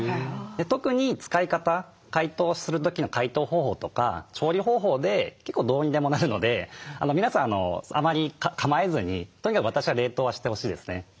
特に使い方解凍する時の解凍方法とか調理方法で結構どうにでもなるので皆さんあまり構えずにとにかく私は冷凍はしてほしいですね。